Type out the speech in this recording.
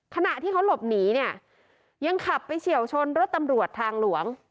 ขณะที่เขาหลบหนีเนี่ยยังขับไปเฉียวชนรถตำรวจทางหลวง